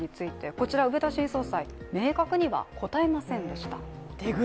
こちら、植田新総裁明確には答えませんでした。